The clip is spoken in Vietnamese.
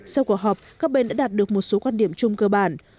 sau cuộc họp các bên đã đạt được một số quan điểm chung cơ bản